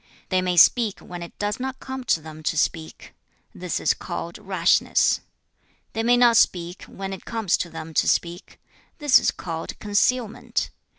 They may speak when it does not come to them to speak; this is called rashness. They may not speak when it comes to them to speak; this is called concealment.